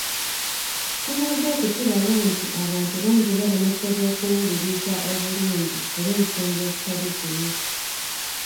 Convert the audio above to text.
Tumaze okukiraba nti abantu bangi balemesebwa okuwuliriza obulungi olw’ensonga ezitali zimu.